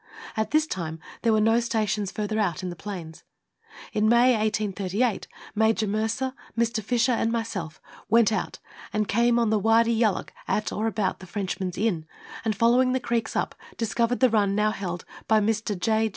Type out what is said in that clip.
At this time there were no stations further out in the plains. In May 1838, Major Mercer, Mr. Fisher, and myself went out and came on the Wardy Yalloak at or about the Frenchman's Inn, and, following the creeks up, discovered the run now held by Mr. J.